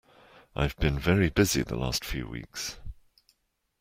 I've been very busy the last few weeks.